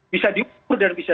bisa diukur dan bisa